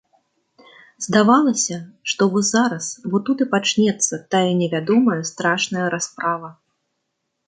Здавалася, што во зараз, во тут і пачнецца тая невядомая страшная расправа.